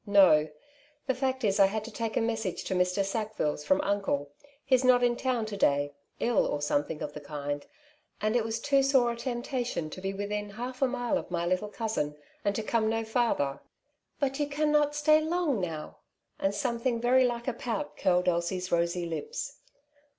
No ; the fact is, I had to take a message to Mr. Sackville's from uncle j he's not in town to day — ill, or something of the kind ; and it was too sore a temptation to be within half a mile of my little cousin, and to come no farther." 1 6 " Two Sides to every Question ^ a But you cannot stay long now ?^' And some thing very like a pout curled Elsie's rosy lips.